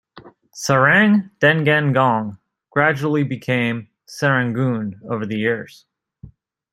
"Serang dengan gong" gradually became Serangoon over the years.